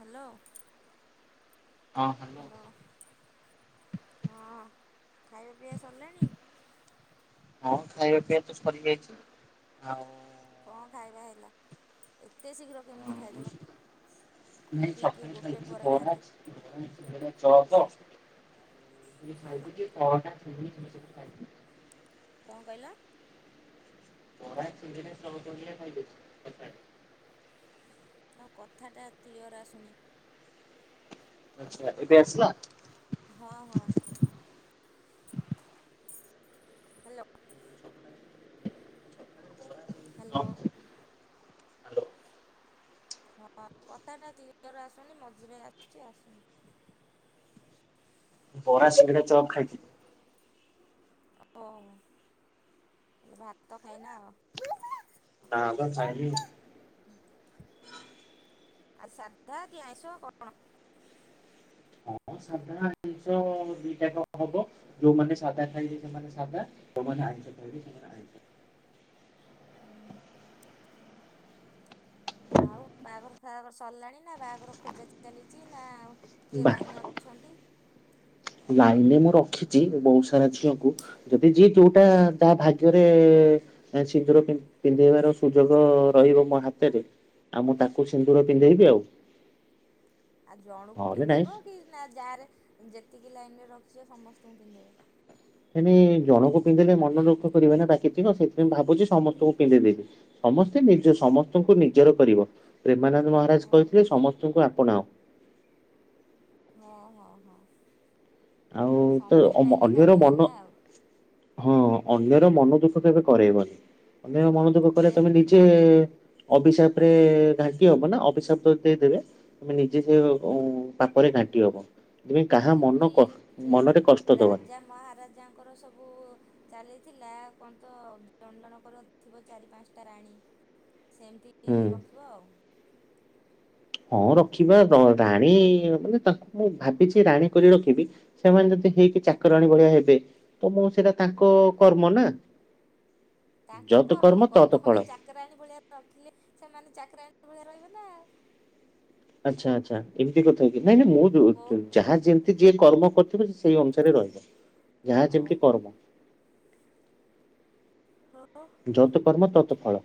Hello. Hello ହଁ। ଖାଇବା ପିଇବା ସରିଲାଣି। ହଣ ଖାଇବା ପିଇବା ତ ସରିଯାଇଛି ଆଉ କଣ ଖାଇବା ହେଲା ଏତେ ଶୀଘ୍ର କେମିତି ଖାଇ ଦେଲ। [unintelligible] ଚକ ନେଇକି ଚ [unintelligible] [unintelligible] କଣ କହିଲା? [unintelligible] ପରା ସୁିନ୍ଦିନ ସ ଭାଇ ପ [unintelligible] ତମ କଥାଟା କ୍ଲିଅର ଆସୁନି। ଆଛା ଏବେ ଆସିଲା? ହଁ ହଁ। ହ୍ୟାଲୋ। ହ୍ୟାଲୋ। ହଁ କଥାଟା କ୍ଲିୟର ଆସୁନି ମଝିରେ ଆସୁଛି ଆସୁନି ବରା ଶିଂଘଡା ଚପ୍ ଖାଇଥିଲି। ହୋଁ ଭାତ ଖାଇନା ଆଉ [unintelligible] ତା କ ଖାଇ ଆ ଶାଦ୍ଧା କି ଆଇଁସ କଣ? ହଁ ସାଧା ଜିନିଷ ଦିଟାକ ହବ ଯୋଉମାନେ ସାଧା ଖାଇ ସେମାନେ ସାଧା ଯୋଉମାନେ ଆ [unintelligible] ଆ ଭବ ସମମର ଆ [unintelligible] ହୁଁ [inaudible] ଆଉ ବାହାଘର ଫାହାଘର ସରିଲାଣି ନା ବାହାଘର ଖୋଜା ଚାଲିଛି ନା ଆଉ କିଏ ଲାଇନ ରେ ଅଛନ୍ତି? ଲାଇନରେ ମୁଁ ରଖିଛି ବହୁତ ସାରା ଝିଅକୁ ଯଦି ଯିଏ ଯୋଉଟା ଯାହା ଭାଗ୍ୟରେ ସିନ୍ଦୁର ପିନ୍ଧେଇବାର ସୁଯୋଗ ରହିବ ମୋ ହାତରେ ଆଉ ମୁଁ ତାକୁ ସିନ୍ଦୁର ପିନ୍ଧେଇବି ଆଉ ଆଉ ଜଣକୁ ନହେଲେ ନାଇଁ ପିନ୍ଧେଇବ କି ନା ଯାରେ ଯେ ଏତିକି ଲାଇନ୍ରେ ରଖିଛ ସମସ୍ତଙ୍କୁ ପିନ୍ଧିଇବ ଏଣି ଜଣଙ୍କୁ ପିନ୍ଧେଇଲେ ମନ ଦୁଃଖ କରିବ ନେ ବାକିତିକ ସେଥିପାଇଁ ଭାବୁଛି ସମସ୍ତଙ୍କୁ ପିନ୍ଧେଇ ଦେବି। ସମସ୍ତେ ନିଜ ସମସ୍ତଙ୍କୁ ନିଜର କରିବ ପ୍ରେମାନନ୍ଦ ଓ ମହାରାଜ କହିଥିଲେ ସମସ୍ତଙ୍କୁ ଆପଣାଅ ହଁ ହଁ ହଁ। ଆଉ ତ ସମ୍ଭାଳି ପାଇଲେ ଅନ୍ୟର ଖାଲି ମନ ହେଲା ଆଉ। ହଁ ଅନ୍ୟର ମନ ଦୁଃଖ କେବେ କରେଇବନି ଅନ୍ୟର ମନ ଦୁଃଖ କଲେ ଯେମ ତମେ ନିଜେ ଅଭିିଶାପ ରେ ଘାଂଟିି ହବ ନା ଅଭିଶାପ ଦେଇଦେବେ ଆମେ ନିଜେ ସେ ପାପରେ ଘାଂଟି [unintelligible] ତେ କାହା ମନ ଯେମିତି କ ମନରେ କଷ୍ଟ ଦବନି। ରାଜା ମହାରାଜାଙ୍କର ସବୁ ଚାଲିଥିଲା କହଣ ତ ଜଣ ଜଣ କର ଥିବ ଚାରି ପାଞ୍ଚଟା ରାଣୀ ସେମିତି ହୁଁ ରଖିବ ଆଉ ହଁ ରଖିବା ରାଣୀ ମାନେ ତାଙ୍କୁ ମୁଁ ଭାବିଛି ରାଣୀ କରି ରଖିବି ସେମାନେ ଯଦି ହେଇକି ଚାକର ଆଣୀ ଭଳିଆ ହେବେ ତ ମୁଁ ସେଇଟା ତାଙ୍କ କର୍ମ ନା ତାଙ୍କ ଯତ୍ କର୍ମ କଣ ତତ୍ ଫଳ। ତମେ ଚାକରାଣୀ ଭଳିଆ ରଖିଲେ ସେମାନେ ଚାକରାଣି ଭଳିଆ ରହିବେ ନା। ଆଛା ଆଚ୍ଛା ଏମିତି କଥା କି ନାହିଁ ହେ ନାଇଁ [unintelligible] ନାଇଁ ଓ ମୁଁ ଯାହା ଯେମତି ଯେ କର୍ମ କରୁଥିବ ସେ ସେଇ ଅନୁସାରେ ରହିବ ଯାହା ଯେମିତି ଓହୋ। କର୍ମ ହଁ। ଯତ କର୍ମ, ତତ ଫଳ।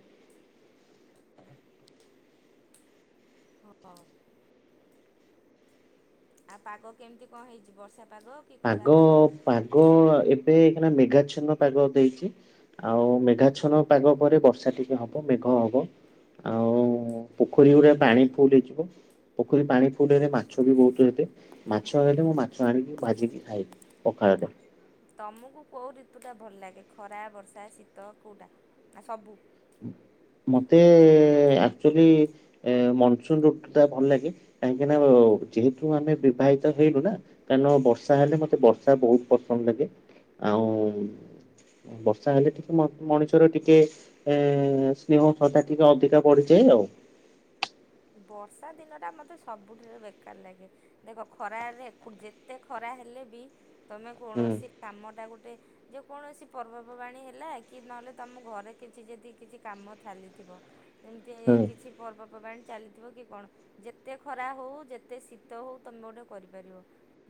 ହଁ। ଆଉ ପାଗ କେମିତି କଣ ହେଇଛି ବର୍ଷା ପାଗ କି ଖରା ପାଗ ପାଗ ଏବେ ଏଇକିନା ମେଘା ଛନ ପାଗ ଦେଇଛି। ଆଉ ମେଘାଛନ ପାଗ ପରେ ବର୍ଷା ଟିକେ ହବ, ମେଘ ହବ। ଆଉ ପୋଖରୀ ଗୁରା ପାଣି ଫୁଲ ହେଇଯିବ। ପୋଖରୀ ପାଣି ଫୁଲ୍ ହେଇଗଲେ ମାଛ ବି ବହୁତ ହେବେ, ମାଛ ହେଲେ ମୁଁ ମାଛ ଆଣିକି ଭାଜି ଖାଇବି ପଖାଳରେ। ତମୁ କୁ କୋଉ ରିତୁ ଟା ଭଲ ଲାଗେ ଖରା, ବର୍ଷା, ଶୀତ କୋଉଟା ନା ସବୁ ହୁଁ ମତେ ଆକଚୁଆଲି ଏ ମନସୁନ ରୁତୁଟା ଭଲ ଲାଗେ କାହିଁକିନା ବ ଯେହେତୁ ଆମେ ବିବାହିତ ହେଇନୁ ନା, କାରଣ ବର୍ଷା ହେଲେ ମତେ ବର୍ଷା ବହୁତ ପସନ୍ଦ ଲାଗେ। ଆଉ ବର୍ଷା ହେଲେ ଟିକେ ମଣିଷର ଟିକେ ଏ ସ୍ନେହ ଶ୍ରଦ୍ଧା ଟିକେ ଅଧିକା ବଢ଼ିଯାଏ ଆଉ। ବର୍ଷା ଦିନଟା ମତେ ସବୁଠରେ ବେକାର ଲାଗେ ଦେଖ ଖରାରେ ଯେତେ ଖରା ହେଲେ ବି ତମେ କୌଣସି ହୁଁ କାମ ଟା ଗୋଟେ ଯେ କୌଣସି ପର୍ବପବାଣୀ ହେଲା କି ନହେଲେ ତମ ଘରେ କିଛି ଯଦି କିଛି କାମ ଚାଲିଥିବ ଏମିତି ହେଇ କିଛି ପର୍ବପର୍ବାଣି ଚାଲିଥିବ କି କଣ ଯେତେ ଖରା ହଉ, ଯେତେ ଶୀତ ହଉ, ତମେ ଗୋଟେ କରିପାରିବ।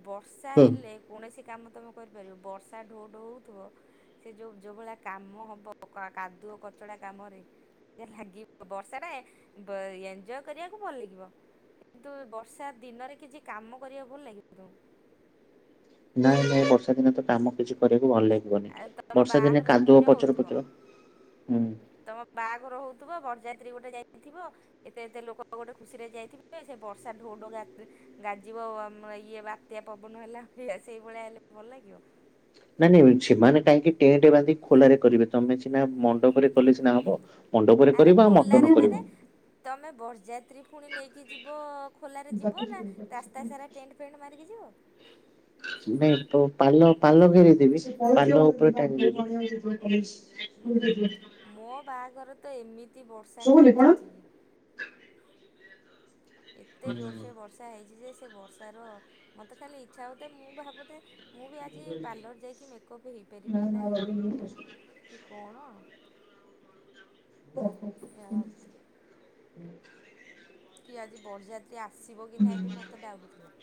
ବର୍ଷା ହୁଁ ହେଲେ କୌଣସି କାମ ତମେ କରିପାରିବ ବର୍ଷା ଢୋ ଢୋ ହଉଥିବ ସେ ଯୋଉ ଯୋଉ ଭଳିଆ କାମ ହବ କା କାଦୁ କଚଡା କାମରେ ଲାଗିବ ବର୍ଷାରେ ବ ଏନ୍। ଞ୍ଜୟ କରିବାକୁ ଭଲ ଲାଗିବ କିନ୍ତୁ ବର୍ଷା ଦିନରେ କିଛି କାମ କରିବାକୁ ଭଲ ଲାଗିବ ତମକୁ? ନାଇଁ ନାଇଁ ବର୍ଷା ଦିନ ତ କାମ କିଛି କରି କୁ ଭଲ ଲାଗିବନି ଆଉ ତମ ବର୍ଷା ଦିନେ ବାହାଘର କାଦୁଅ ଧନ୍ୟ ପଚର ହଉଥିବ ପଚର, ହୁଁ। ଥିବ ବରଯାତ୍ରୀ ଗୋଟେ ଯାଇଥିବ ଏତେ ଏତେ ଲୋକ ଗୋଟେ ଖୁସି ରେ ଯାଇଥିବେ ସେ ବର୍ଷା ଢୋ ଢୋ ଗା ଗାଜିବ ଆମ ଇଏ ବାତ୍ୟା ପବନ ହେଲା ସେଇଭଳିଆ ହେଲେ ଭଲ ଲାଗିବ। ନାଇଁ ନାଇଁ ସେମାନେ କାହିଁକି ଟେଣ୍ଟ ବାନ୍ଧିକି ଖୋଲାରେ କରିବେ, ତମେ ସିନା ମଣ୍ଡପରେ କଲେ ସିନା ହବ। ମଣ୍ଡପରେ ଆରେ କରିବ ଆଉ ଖୋଲାରେ ମଟନ ମାନେ କରିବ। ତମେ ବରଯାତ୍ରୀ ପୁଣି ନେଇକି ଯିବ ଖୋଲାରେ ଯିବ, ନା ରାସ୍ତା ସାରା ଟେଣ୍ଟ ଫେଣ୍ଟ ମାରିକି ଯିବ। ନାଇଁ ପ ପାଲ ପାଲ ଘେରିଦେବି ପାଲ ଉପରେ [inaudible] ହଁ ମୋ ବାହାଘରେ ତ ଏମିତି ବର୍ଷା କାଚିଛି ଏତେ ଜୋରସେ ବର୍ଷା ହେଇଛି ଯେ ସେ ବର୍ଷାର ମତେ ଖାଲି ଇଚ୍ଛା ହଉଥାଏ, ମୁଁ ଭାବୁଥାଏ ମୁଁ ବି ଆଜି ପାର୍ଲର ଯାଇକି ମେକଅପ୍ ହେଇପାରିବି ନା ହେଇ ପାରିବିନି କି କଣ ଓହୋ ଏହା ହୁଁ। ଭାବୁଥିଲି। କି ଆଜି ବରଯାତ୍ରୀ ଆସିବ କି ନାହିଁ ବି ମତେ ଡାଉଟ ଥିଲା।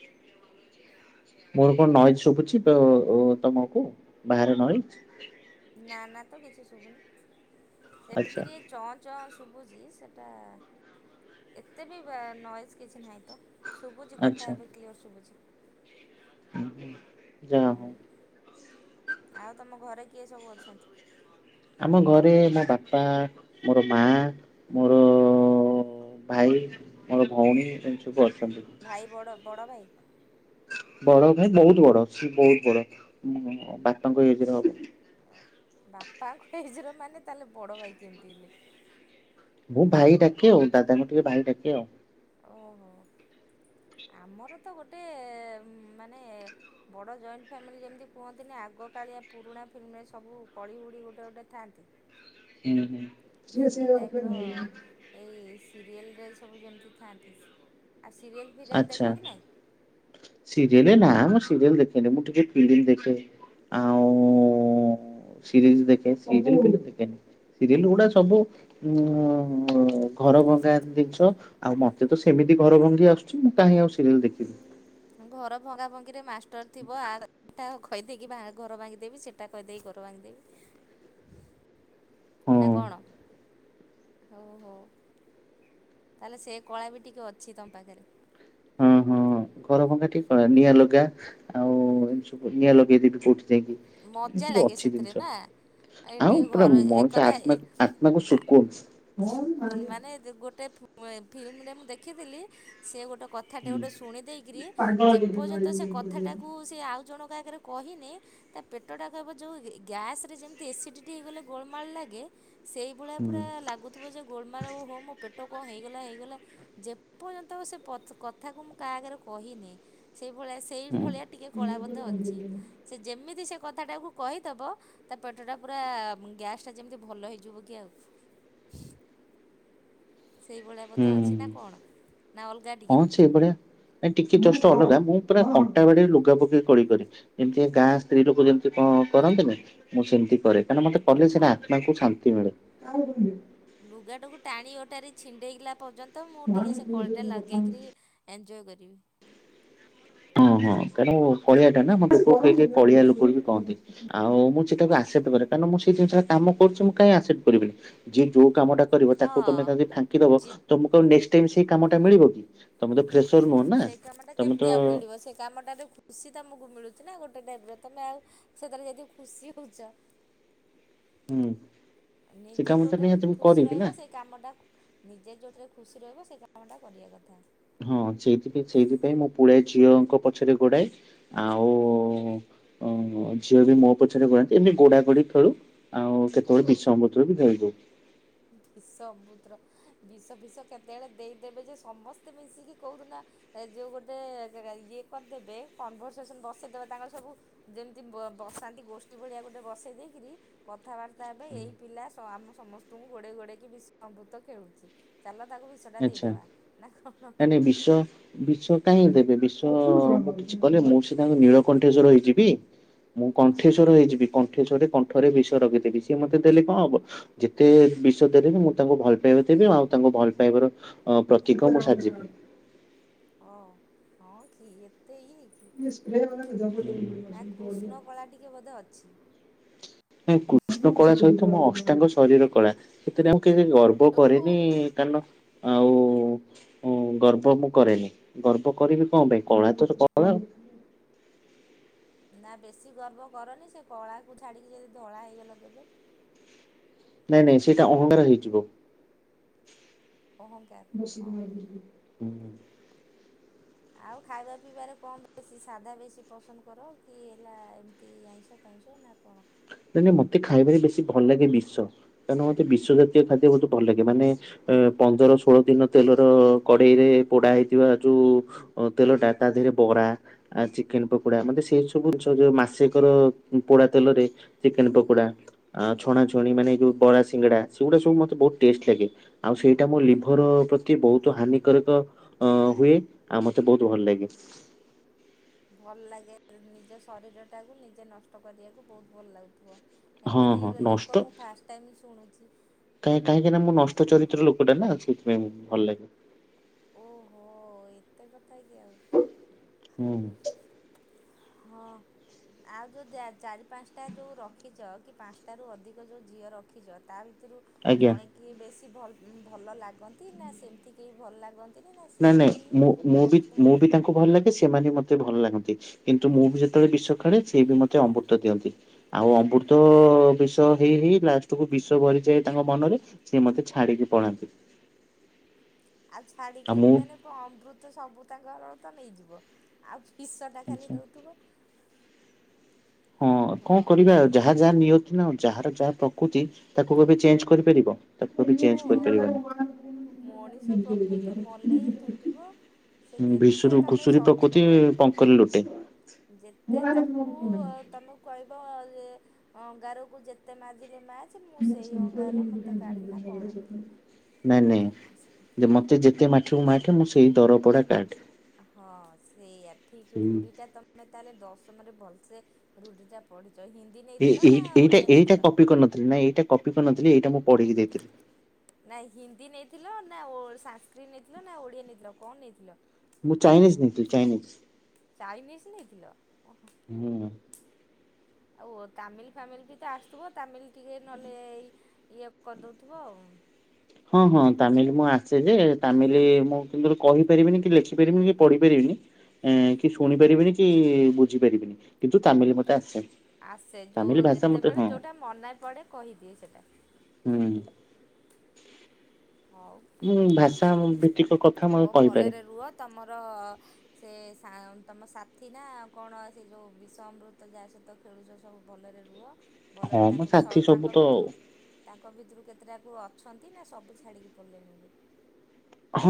ମୋର କଣ ନଏଜ୍ ଶୁଭୁଛି ବ-ଅ ତମକୁ ବାହାରେ ନଏ ନା ନା ତ କିଛି ଶୁଭୁନି ସେମିତି ଆଚ୍ଛା ଟିକେ ଚଁ ଚଁ ଶୁ ଶୁଭୁଛି ସେଟା ଏତେ ବି ନଏଜ କିଛି ନାହିଁ ତ। ଶୁଭୁଚି କଥା ଆଚ୍ଛା। ଏବେ କ୍ଲିଅର ଶୁଭୁଚି। ଯାହା ହୁଁ ହଉ। ଆଉ ତମ ଘରେ କିଏ ସବୁ ଅଛନ୍ତି? ଆମ ଘରେ ମୋ ବାପା, ମୋର ମା, ମୋର ଭାଇ, ମୋର ଭଉଣୀ ଏମତି ସବୁ ଅଛନ୍ତି। ଭାଇ ବଡ଼ ବଡ଼ ଭାଇ? ବଡ ଭାଇ ବହୁତ ବଡ ସିଏ ବହୁତ ବଡ ବାପାଙ୍କ ଏଜ୍ ର ହବ। ବାପାଙ୍କ ଏଜ ର ମାନେ ତାହେଲେ ବଡ ଭାଇ କେମିତି ହେଲେ? ମୁଁ ଭାଇ ଡାକେ ଆଉ, ଦାଦାଙ୍କୁ ଟିକେ ଭାଇ ଡାକେ ଆଉ। ଓହୋ। ଆମର ତ ଗୋଟେ ମାନେ ବଡ଼ ଜଏଣ୍ଟ ଫ୍ୟାମିଲି ଯେମିତି କୁହନ୍ତିନି ଆଗ କାଳିଆ ପୁରୁଣା ଫିଲ୍ମରେ ସବୁ କଳିଉଡ଼ି ଗୋଟେ ଗୋଟେ ଥାଆନ୍ତି। ହୁଁ। ସେଇ ଟାଇପ୍ ର ଏଇ ସିରିଏଲରେ ସବୁ ଯେମିତି ଥାଆନ୍ତି। ଆଉ ସିରିଏଲ ଫିରିଏଲ ଆଛା ଦେଖ କି ନାଇଁ? ସିରିୟଲ ନା। ସିରିଏଲ ଦେଖେନି ମୁଁ ଟିକେ ଫିଲ୍ମ ଦେଖେ ଆଉ ସିରିଜ ଦେଖେ ସିରିଜ ଦେଖେନି। ସିରିଏଲ ଗୁଡା ସବୁ ଉ ଉ ଘର ଭଙ୍ଗା ଜିନିଷ ଆଉ ମତେ ତ ସିରିଏଲ୍ ଯଦି ଘର ଭଙ୍ଗି ଆସୁଛି ମୁଁ ତାହେଲେ ଆଉ ସିରିଏଲ୍ ଦେଖିନି। ଘର ଭଙ୍ଗା ଭଙ୍ଗିରେ ମାଷ୍ଟର ଥିବ ଆ ତା ଘ୍ କହିଦେଇକି ବା ଘର ଭାଙ୍ଗିଦେବି ସେଇଟା କହିଦେଇକି ଘର ଭାଙ୍ଗିଦେବି। ହଁ ନା କଣ ହଉ ହଉ। ତାହେଲେ ସେ କଳା ବି ଟିକେ ଅଛି ତମ ପାଖରେ। ହଁ ହଁ। ଘର ଭଙ୍ଗା ଠିକ କ ନିଆଁ ଲଗା ଆଉ ଏ ସବୁ ନିଆଁ ଲଗେଇ ଦେବି ଯୋଉଠି। ଯାଇକି ଏ ମଜା ସବୁ ଲାଗେ ଅଛି ସେଥିରେ ଜିନିଷ। ନା ଏ ଆଉ ଟିକେ ପୁରା ଘର ମଣିଷ ଏକଥା ଆତ୍ମା ଏ ଆତ୍ମାକୁ ଶଖ ଏ ଫିଲ୍ମରେ ମୁଁ ଦେଖିଥିଲି ସେ ଗୋଟେ କଥାଟେ ହୁଁ ଗୋଟେ ଶୁଣି ଦେଇକରି ଯେପର୍ଯ୍ୟନ୍ତ ସେ କଥାଟାକୁ ସେ ଆଉ ଜଣଙ୍କ ଆଗରେ ରେ କହିନି ତା ପେଟଟା କହିବ ଯୋଉ ଗ୍ୟାସ ରେ ଯେମିତି ଏସିଡିଟି ହେଇଗଲେ ଗୋଳମାଳ ଲାଗେ। ସେହି ଭଳିଆ ହୁଁ ପୁରା ଲାଗୁଥିବ ଯେ ଗୋଳମାଳ ହଉ ମୋ ପେଟ। ପେଟ କଣ ହେଇଗଲା ହେଇଗଲା ଯେପର୍ଯ୍ୟନ୍ତ ସେ କଥା କୁ ମୁଁ କାହା ଆଗରେ କହିନି। ସେହି ଭଳିଆ ସେହି ହୁଁ ଭଳିଆ ଟିକେ କଳା ବଧେ ଅଛି ସେ ଯେମିତି ସେ କଥାଟାକୁ କହିଦବ ତା ପେଟ ଟା ପୁରା ଗ୍ୟାସ ଟା ଯେମିତି ଭଲ ହେଇଯିବ କି ଆଉ। [unintelligible] ସେଇଭଳିଆ ବୋଧେ ହୁଁ ଅଛି ନା କଣ? ନା ଅଲଗା ଟିକେ? ହଁ ସେଇଭଳିଆ ଟିକେ ଜଷ୍ଟ ଅଲଗା ମୁଁ ପୁରା କଣ୍ଟା ବାଡିରେ ଲୁଗା ପକେଇକି କଳି କରେ ଯେମିତିକା ଗାଁ ସ୍ତ୍ରୀ ଲୋକ ଯେମିତି କରନ୍ତିନି ମୁଁ ସେମିତି ତି କରେ କାହିଁକି ନା ମତେ କଲେ ସେଟା ଆତ୍ମାକୁ ଶାନ୍ତି ମିଳେ। ଲୁଗାଟାକୁ ଟାଣି ଅଟାରି ଛିଣ୍ଡେଇଲା ପର୍ଯ୍ୟନ୍ତ ମୁଁ ଟିକେ ସେ କଳି ଟା ଲଗେଇକରି ଏ ଜୟ କରିବି। ହଁ ହଁ କାଇଁକିନା ମୁଁ କଳିଆ ଟା ନା ମୋତେ ଲୋକ କେହି କେହି କଳିଆ ଲୋକ ବି କହନ୍ତି ଆଉ ମୁଁ ସେଟାକୁ ଆସ ସେତପରେ କାରଣ ମୁଁ ସେ ଜିନିଷ ଟା କାମ କରୁଛି ମୁଁ କାଇଁ ଆକସେପ୍ଟ କରିବିନି ଯିଏ ଯୋଉ କାମଟା କରିବ ତାକୁ ତମେ ଯଦ ହଁ ଫାଙ୍କି ଦବ ଜି ତ ତମକୁ ଆଉ ନେକ୍ସଟ ଟାଇମ ସେହି କାମ ଟା ମିଳିବ କି ତମେ ତ ଫ୍ରେସର ନୁହଁ ନା ସେଇ କାମଟା ତମେ କେମିତି ତ ଆଉ ମିଳିବ ସେ କାମଟାରେ ଖୁସି ତମକୁ ମିଳୁଛି ନା ଗୋଟେ ଟାଇପରେ ତମେ ଆଉ ସେଥିରେ ଯଦି ଖୁସି ହଉଛ। [unintelligible] ହୁଁ। ସେ ନିଜେ କାମଟା ଯୋଉଟାରେ ନିହାତି ମୁଁ ଖୁସି କରିବି ନା। ରହିବ ସେଇ କାମ ଟା ନିଜେ ଯୋଉଟାରେ ଖୁସି ରହିବ ସେ କାମଟା କରିବା କଥା। ହଁ ସେଇଥିପାଇଁ ସେଇଥିପାଇଁ ମୁ ପୁଳାଏ ଝିଅଙ୍କ ପଛରେ ଗୋଡାଏ ଆଉ ହଁ ଝିଅ ବି ମୋ ପଛରେ ଗୋଡ଼ାନ୍ତି ଏମିତି ଗୋଡ଼ା ଗୋଡ଼ି ଖେଳୁ ଆଉ କେତେବେଳେ ବିଷ ଅମୃତ ବି ଖେଳୁ। [unintelligible] ବିଷ ଅମୃତ ବିଷ ବିିଷ କେତେବେଳେ ଦେଇଦେବେ ଯେ ସମସ୍ତେ ମିଶିକି କୋଉ ଦିନ ଏ ଯୋଉ ଗୋଟେ ଇଏ କରିଦେବେ କନଭରସେସନ ବସେଇଦବେ ତାଙ୍କର ସବୁ ଯେମିତି ବସାନ୍ତି ଗୋଷ୍ଠୀ ଭଳିଆ ଗୋଟେ ବସେଇ ଦେଇକିରି କଥାବାର୍ତ୍ତା ହେବେ ଏଇ ପିଲା ସବଆମ ସମସ୍ତ ଙ୍କୁ ଗୋଡ଼େଇ ଗୋଡ଼େଇକି ବିଷ ଅମୃତ ଖେଳୁଛି ଚାଲ ତାକୁ ବିଷଟା ଆଚ୍ଛା ଦେଇଦବା ନା କଣ? କାହିଁକି ଦେବେ ବିଷ କିଛି କଲେ ମୁଁ ସିନା ତାଙ୍କ ନୀଳକଣ୍ଠେଶ୍ଵର ହେଇଯିବି। ମୁଁ କଣ୍ଠେଶ୍ଵର ଓହୋ ହେଇଯିବି କଣ୍ଠେଶ୍ଵରରେ କଣ୍ଠ ଥରେ ବିଷ ରଖିଦେଲି ସିଏ ମତେ ଦେଲେ କଣ ହବ ଯେତେ ବିଷ ଦେଲେ ବି ମୁଁ ତାଙ୍କୁ ଭଲ ପାଇବା ଦେବି ଆଉ ତାଙ୍କୁ ଭଲ ପାଇବାର ଅଁ ପ୍ରତୀକ ମୁ ସାଜିିବି। ଓ ହଁ କି ଏତ୍ ନା କୃଷ୍ଣ କଳା ଟିକେ ବୋଧେ [unintelligible] ଅଛି। ନାଇଁ କୃଷ୍ଣ କଳା ସହିତ ମୋ ଅଷ୍ଟାଙ୍ଗ ଶରୀର କଳା ସେଥିରେ ଆଉ କିଛି ଗର୍ବ କରେନି ଓହୋ କାରଣ ବାବା ଆଉ ହଁ ଗର୍ବ ମୁଁ କରେନି ଗର୍ବ କରିବି କଣ ପାଇଁ କଳା ତ କଳା ଆଉ ନା ବେଶୀ ଗର୍ବ କରନି ସେ କଳାକୁ ଛାଡିକି ଯଦି ଧଳା ହେଇଗଲ କେବେ? ନାଇଁ ନାଇଁ ସେଇଟା ଅହଙ୍କାର ହେଇଯିବ। ଅହଂଙ୍କାର ନିଶ୍ଚିତ ହଁ। ଭାବରେ ଯିବି ହୁଁ ହୁଁ। ଆଉ ଖାଇବା ପିଇବାରେ କଣ ବେଶୀ ସାଧା ବେଶୀ ପସନ୍ଦ କର କି ହେଲା ଏମିତି ଆଇଁଷ? ଆଇଁଷ ନା କଣ? ନାଇ ନାଇ ମତେ ଖାଇବାରେ ବେଶୀ ଭଲ ଲାଗେ ବିଷ କାରଣ ମତେ ବିଷ ଜାତୀୟ ଖାଦ୍ୟ ବହୁତ ଭଲ ଲାଗେ ମାନେ ଏ ପନ୍ଦର ଷୋଳ ଦିନ ତେଲର କଡ଼େଇରେ ପୋଡା ହେଇଥିବା ଯୋଉ ତେଲ ଟା ତା ଦେହରେ ବ ପ୍ରା ଚିକେନ ପକୋଡା ମତେ ସେଇ ସବୁ ଜିନିଷ ଯୋଉ ମାସେକର ପୋଡା ତେଲରେ ଚିକେନ ପକୋଡ଼ା ଛଣା ଛଣି ମାନେ ଯୋଉ ବରା ସିଙ୍ଗଡ଼ା ସେଗୁଡ଼ା ମତେ ସବୁ ବହୁତ ଟେଷ୍ଟ ଲାଗେ। ଆଉ ସେଇଟା ମୋ ଲିଭର ପ୍ରତି ବହୁତ ହାନିକାରକ ଅ ହୁଏ। ଆଉ ମତେ ବହୁତ ଭଲ ଲାଗେ। ଭଲ ଲାଗେ ନିଜ ଶରୀର ଟାକୁ ନିଜେ ନଷ୍ଟ କରିବାକୁ ବହୁତ ଭଲ ଲାଗୁଛି। ହଁ ଏମିତି ହଁ ନଷ୍ଟ ଲୋକ ମୁ ଫାଷ୍ଟ ଟାଇମ ଶୁଣୁଛି। ରକ୍ତ ଚରିତ୍ର ଲୋକଟା ନା ସେଇଥିପାଇଁ ଭଲ ଲାଗେ। ଓହୋ ଏତେ କ୍ ହଁ। ହଁ। ଆଉ ଯୋଉ ଚାରି ପାଞ୍ଚଟା ଯୋଉ ରଖିଛ କି ପାଞ୍ଚଟା ରୁ ଅଧିକ ଯୋଉ ଝିଅ ରଖିଛ ତା ଭିତ ସେଥିରୁ ଆଜ୍ଞା ଜଣେ କି ବେଶୀଲ ଭଲ ଲାଗନ୍ତି ନା ସେମିତି କେହି ଭଲ ଲାଗନ୍ତି? ନାଇଁ ନାଇଁ ମୁଁ ମୁଁ ବି ମୁଁ ବି ତାଙ୍କୁ ଭଲ ଲାଗେ ସେମାନେ ମତେ ମତେ ଭଲ ଲାଗନ୍ତି। କିନ୍ତୁ ମୁଁ ବି ଯେତେବେଳେ ବିଷ କାଢେ ସେ ବି ମତେ ଅମୃତ ଦିଅନ୍ତି ଆଉ ଅମୃତ ବିଷ ହେଇ ହେଇ ଲାଷ୍ଟ କୁ ବିଷ ଭରିଯାଏ ତାଙ୍କ ମନରେ ସିଏ ମତେ ଛାଡିକି ପଳାନ୍ତି। ଆଉ ଛାଡିକି ଆଉ ମୁଁ ଯିବେନି କଣ ଅମୃତ ସବୁ ତାଙ୍କର ତ ନେଇଯିବ ଆଉ ବିସଟା ଖାଲି ଦେଉଥିବ। ହଁ କଣ କରିବା ଆଉ ଯାହା ଯାହା ନିୟତି ତି ନା ଯାହାର ଯାହା ପ୍ରକୃତି ତାକୁ କେବେ ଚେଞ୍ଜ କରିପାରିବ ତାକୁ କେବେ ଚେଞ୍ଜ ହଁ କରିପାରିବନି। ମଣିଷ ପ୍ରକୃତି ମଲେ ହିଁ ତୁଟିବ। ସେ ଯେତେ ଭିଶୁରୁ ତମେ ଘୁଷୁରୀ ପ୍ରକୃତି ସବ ପଙ୍କର ଲୋଟେ। ଯେତେ ତାଙ୍କୁ ତମକୁ କହିବ ଯେ ଅଙ୍ଗାରକୁ ଯେତେ ମାଜିଲେ ମାଚ ମ ନାଇଁ କଣ? ନାଇଁ ଯେ ମତେ ଯେତେ ମାଠ ଠିବୁ ମାଠେ ମୁଁ ସେଇ ଦରପଡ଼ା କାଠେ। ହଁ ସେଇଆ ଠିକ ହୁଁ ରୁଢି ଟା ତମେ ତ ତାହେଲେ ଦଶମରେ ଭଲସେ ରୁଢି ଟା ପଡି ଏ ଏଇଟା ଏଇଟା କପି କରିନଥିଲ ନା ଏଇଟା କପି କରିନଥିଲି ଏଇଟା ମୁଁ ପଢିକି ଦେଇଥିଲି। ନା ହିନ୍ଦୀ ନେଇଥିଲ ନା ଓ ସଂଶକ୍ରୀଟ ନେଇଥିଲ ନା ଓଡିଆ ନେଇଥିଲ କଣ ନେଇଥିଲ? ମୁଁ ଚାଇନିଜ ନେଇଥିଲି ଚାଇନିଜ ଚାଇନିଜ ନେଇଥିଲ ଓହୋ ହୁଁ। ଆଉ ତାମିଲ ଫାମିଲ ବି ତ ଆସଥିବ ତାମିଲ ଟିକେ ନହେଲେ ଇଏ କରିଦଉଥିବ ଆଉ। ହୁଁ। ହଁ ହଁ ତାମିଲ ମୁଁ ଆସେ ଯେ ତାମିଲ ମୁଁ କିନ୍ତୁ କହିପାରିବିନି କି ଲେଖି ପାରିବିନି କି ପଢି ପାରିବିନି। ଏଁ କି ଶୁଣି ପାରିବିନି କି ବୁଝିପାରିବିନି କିନ୍ତୁ ତାମିଲ ମତେ ଆସେ। ଆସେ, ତାମିଲ ଯୋଉ, ଭାଷା ମତେ ହଁ ଯେତେବେଳେ ଯୋଉଟା ମନ ପଡେ କହିଦିଏ ସେଟା। ହୁଁ ହଉ। ଉଁ ଭାଷା ଭିତ୍ତିକ କଥା ମ ହଉ କହିପାରେ। ଭଲରେ ରୁହ ତମର ସେ ତମ ସାଥି ନା କଣ, ସେ ଯୋଉ ବିଷ ଅମୃତ ଯାହା ସହିତ ଖେଳୁଛ ସବୁ ଭଲରେ ରୁହ। ହଁ ଭଲରେ ମୋ ତାଙ୍କୁ, ସାଥି ସବୁ ତାଙ୍କ ତ ଭିତରୁ ତାଙ୍କ ଭିତରୁ କେତେଟାକୁ ଅଛନ୍ତି ନା ସବୁ ଛାଡ଼ିକି ପଡ଼ିଲେଣି ଏବେ [unintelligible] ହଁ